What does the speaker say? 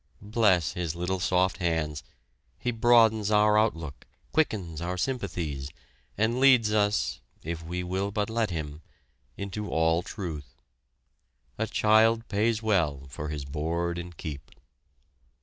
Bless his little soft hands he broadens our outlook, quickens our sympathies, and leads us, if we will but let him, into all truth. A child pays well for his board and keep.